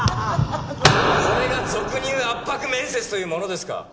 これが俗に言う圧迫面接というものですか？